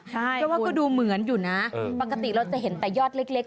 เพราะว่าก็ดูเหมือนอยู่นะปกติเราจะเห็นแต่ยอดเล็ก